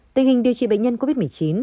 tình hình điều trị bệnh nhân covid một mươi chín